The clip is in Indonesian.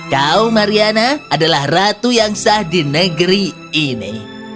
kau mariana adalah ratu yang sah di negeri ini